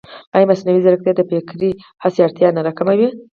ایا مصنوعي ځیرکتیا د فکري هڅې اړتیا نه راکموي؟